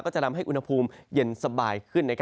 จะทำให้อุณหภูมิเย็นสบายขึ้น